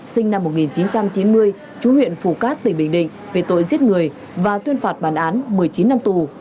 sinh năm một nghìn chín trăm chín mươi trú huyện phủ cát tỉnh bình định về tội giết người và tuyên phạt bàn án một mươi chín năm tù